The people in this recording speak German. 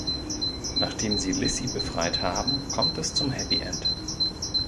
Nachdem sie Lissi befreit haben, kommt es zum Happy End.